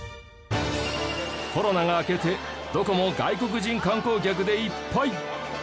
コロナが明けてどこも外国人観光客でいっぱい。